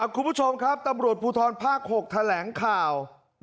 คุณผู้ชมครับตำรวจภูทรภาค๖แถลงข่าว